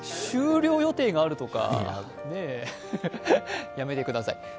終了予定があるとかねぇ、やめてください。